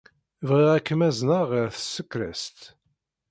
Bɣiɣ ad kem-azneɣ ɣer tesreqqest.